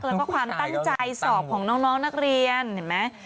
แล้วก็ความตั้งใจสอบของน้องนักเรียนเห็นไหม